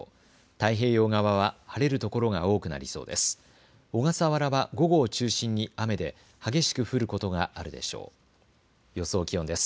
太平洋側は晴れるところが多くなりそうです。